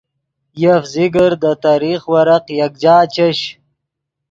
یف ذکر دے تریخ ورق یکجا چش